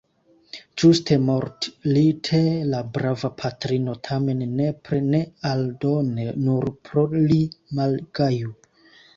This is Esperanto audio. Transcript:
Ĝuste mortlite la brava patrino tamen nepre ne aldone nur pro li malgaju.